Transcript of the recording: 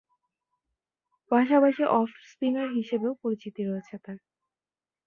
পাশাপাশি অফ-স্পিনার হিসেবেও পরিচিতি রয়েছে তার।